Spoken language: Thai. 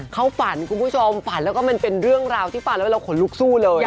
เขาฝันคุณผู้ชมฝันแล้วก็มันเป็นเรื่องราวที่ฟังแล้วเราขนลุกสู้เลย